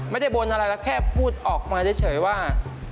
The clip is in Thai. ไม่ได้โบสถ์อะไรแค่พูดออกมาเฉยว่า